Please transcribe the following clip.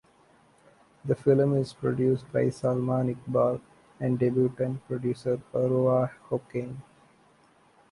The film is produced by Salman Iqbal and debutant producer Urwa Hocane.